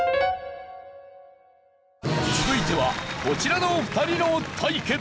続いてはこちらの２人の対決。